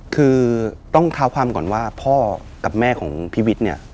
คือต้องเท้าความก่อนว่าพ่อกับแม่ของพี่วิทย์เนี่ย